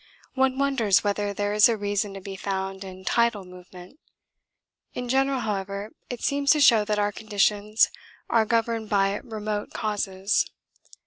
One wonders whether there is a reason to be found in tidal movement. In general, however, it seems to show that our conditions are governed by remote causes.